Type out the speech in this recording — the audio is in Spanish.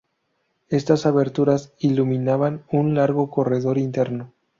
Estas aberturas iluminaban un largo corredor interno.